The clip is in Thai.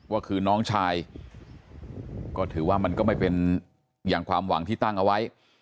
ว่าคือน้องชายก็ถือว่ามันก็ไม่เป็นอย่างความหวังที่ตั้งเอาไว้